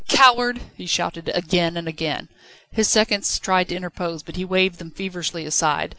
"Coward!" he shouted again and again. His seconds tried to interpose, but he waved them feverishly aside.